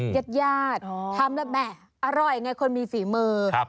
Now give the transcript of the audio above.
เย็ดทำแล้วแม่อร่อยไงคนมีฝีมือ